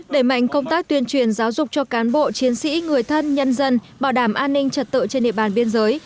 đẩy mạnh công tác tuyên truyền giáo dục cho cán bộ chiến sĩ người thân nhân dân bảo đảm an ninh trật tự trên địa bàn biên giới